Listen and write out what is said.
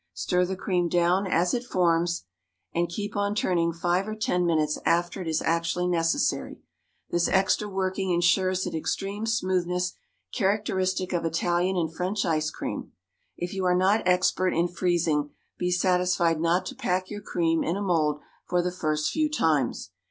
Stir the cream down as it forms, and keep on turning five or ten minutes after it is actually necessary. This extra working insures that extreme smoothness characteristic of Italian and French ice cream. If you are not expert in freezing, be satisfied not to pack your cream in a mould for the first few times.